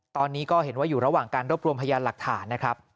ตอนนี้ก็เห็นว่าอยู่ระหว่างการรวบรวมพยานหลักฐานนะครับ